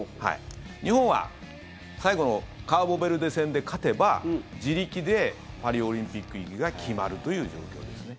日本は最後のカーボベルデ戦で勝てば自力でパリオリンピック行きが決まるという状況ですね。